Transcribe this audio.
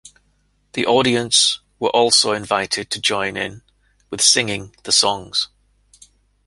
The audience were also invited to join in with singing the songs.